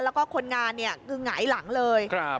แล้วก็คนงานเนี่ยคือหงายหลังเลย